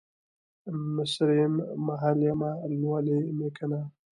مصریم ، محل یمه ، لولی مې کنه